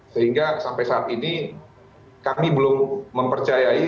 sehingga sampai saat ini kami belum mempercayai